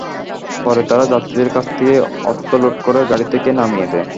পরে তারা যাত্রীদের কাছ থেকে অর্থ লুট করে গাড়ি থেকে নামিয়ে দেয়।